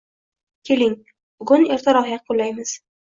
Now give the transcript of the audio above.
Keling, bugun ertaroq yakunlaymiz.